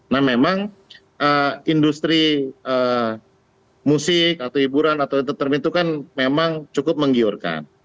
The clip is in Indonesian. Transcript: nah memang industri musik atau hiburan atau entermin itu kan memang cukup menggiurkan